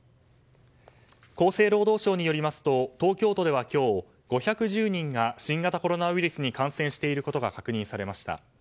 厚生労働省によりますと東京都では今日５１０人が新型コロナウイルスに感染していることが確認されました。